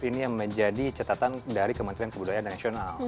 ini yang menjadi catatan dari kementerian kebudayaan dan nasional